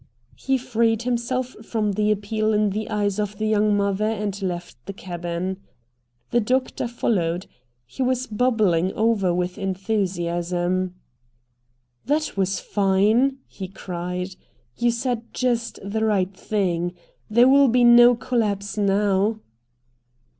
He freed himself from the appeal in the eyes of the young mother and left the cabin. The doctor followed. He was bubbling over with enthusiasm. "That was fine!" he cried. "You said just the right thing. There will be no collapse now."